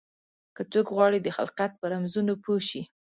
که څوک غواړي د خلقت په رمزونو پوه شي.